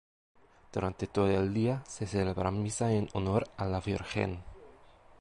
Durante todo el día se celebran misas en honor a la Virgen.